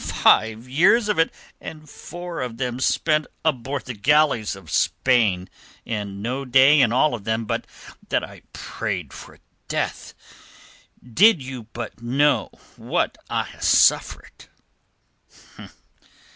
"Five years of it, and four of them spent aboard the galleys of Spain, and no day in all of them but that I prayed for death. Did you but know what I ha' suffered."